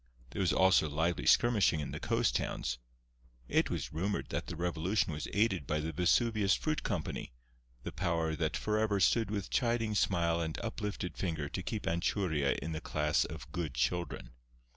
There was also lively skirmishing in the coast towns. It was rumoured that the revolution was aided by the Vesuvius Fruit Company, the power that forever stood with chiding smile and uplifted finger to keep Anchuria in the class of good children.